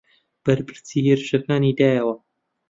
بەرپەرچی هێرشەکانی دایەوە